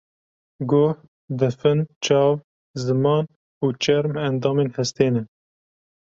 Guh, difin, çav, ziman û çerm endamên hestê ne.